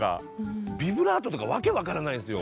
ビブラートとか訳分からないんですよ。